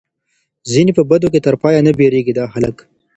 ځي په بدو کي تر پايه نه بېرېږي دا خلک